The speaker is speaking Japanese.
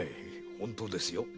本当ですよ。